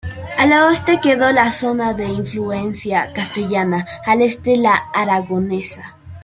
Al oeste quedó la zona de influencia castellana; al este, la aragonesa.